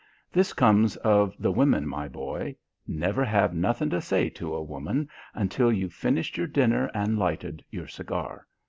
This comes of the women, my boy. Never have nothing to say to a woman until you've finished your dinner and lighted your cigar.